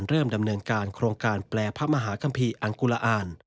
เริ่มดำเนินการโครงการแปลพระมหาคัมภีร์อังกุลอ่าน